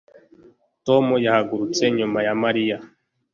Tom yahagurutse nyuma ya Mariya